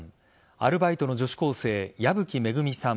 アルバイトの女子高生矢吹恵さん